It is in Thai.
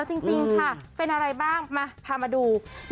จริงค่ะเป็นอะไรบ้างมาพามาดู